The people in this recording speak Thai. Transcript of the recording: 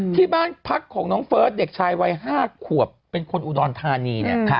ที่บ้านพักของน้องเฟิร์สเด็กชายวัย๕ขวบเป็นคนอุดรธานีเนี่ย